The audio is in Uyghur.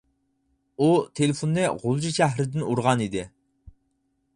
ئۇ تېلېفوننى غۇلجا شەھىرىدىن ئۇرغان ئىدى.